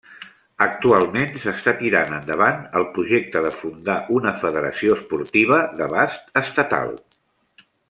Actualment s'està tirant endavant el projecte de fundar una federació esportiva d'abast estatal.